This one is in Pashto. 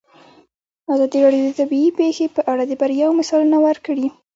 ازادي راډیو د طبیعي پېښې په اړه د بریاوو مثالونه ورکړي.